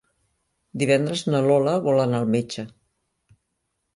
Divendres na Lola vol anar al metge.